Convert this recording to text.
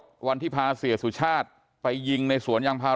ซึ่งแต่ละคนตอนนี้ก็ยังให้การแตกต่างกันอยู่เลยว่าวันนั้นมันเกิดอะไรขึ้นบ้างนะครับ